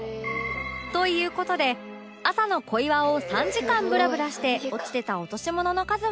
という事で朝の小岩を３時間ブラブラして落ちてた落とし物の数は